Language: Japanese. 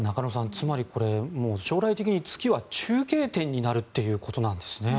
つまりこれは将来的に月は中継点になるということなんですね。